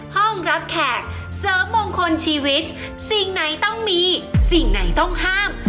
ห้องรับแขกเสริมมงคลชีวิตสิ่งไหนต้องมีสิ่งไหนต้องห้าม